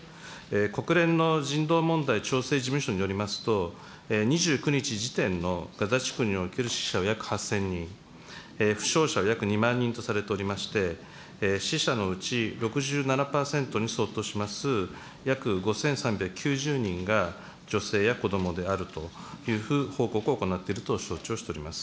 国連の人道問題調整事務所によりますと、２９日時点のガザ地区における死者は約８０００人、負傷者約２万人とされておりまして、死者のうち６７％に相当します約５３９０人が女性や子どもであるという報告を行ってると承知をしております。